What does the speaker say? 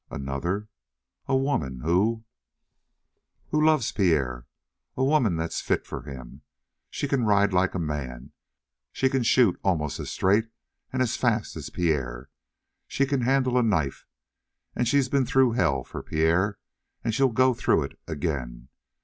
"Another? A woman who " "Who loves Pierre a woman that's fit for him. She can ride like a man; she can shoot almost as straight and as fast as Pierre; she can handle a knife; and she's been through hell for Pierre, and she'll go through it again.